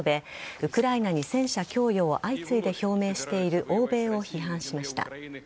ウクライナに戦車供与を相次いで表明している欧米を批判しました。